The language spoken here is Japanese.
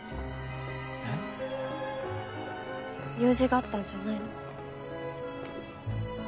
えっ？用事があったんじゃないの？